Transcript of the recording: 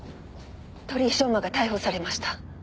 鳥居翔真が逮捕されました。